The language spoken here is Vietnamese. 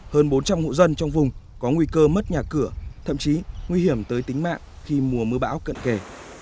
hơn bốn trăm linh hộ dân trong vùng có nguy cơ mất nhà cửa thậm chí nguy hiểm tới tính mạng khi mùa mưa bão cận kề